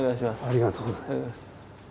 ありがとうございます。